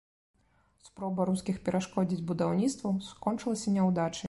Спроба рускіх перашкодзіць будаўніцтву скончылася няўдачай.